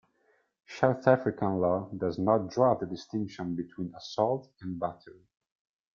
South African law does not draw the distinction between assault and battery.